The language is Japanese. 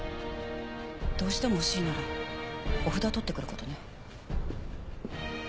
どうしても欲しいならお札を取ってくる事ね。